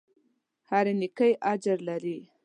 هره نېکۍ اجر لري.